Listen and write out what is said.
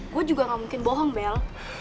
gue juga gak mungkin bohong bel